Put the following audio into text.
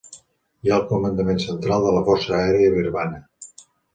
Hi ha el comandament central de la Força Aèria Birmana.